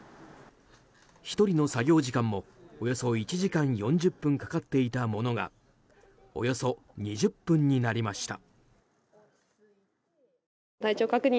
１人の作業時間もおよそ３時間４０分かかっていたものがおよそ２０分になりました。